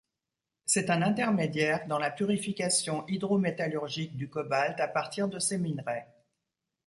C'est un intermédiaire dans la purification hydrométallurgique du cobalt à partir de ses minerais.